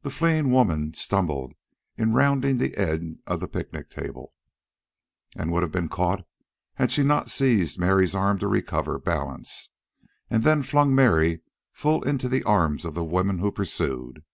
The fleeing woman stumbled in rounding the end of a picnic bench, and would have been caught had she not seized Mary's arm to recover balance, and then flung Mary full into the arms of the woman who pursued.